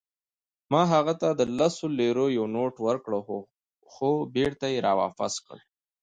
ما هغه ته د لسو لیرو یو نوټ ورکړ، خو بیرته يې راواپس کړ.